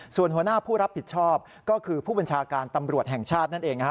ส่วนหัวหน้าผู้รับผิดชอบก็คือผู้บัญชาการตำรวจแห่งชาตินั่นเอง